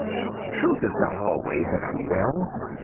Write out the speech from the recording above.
Truth is not always in a well.